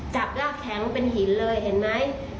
จับรากแข็งเป็นหินเลยเห็นไหม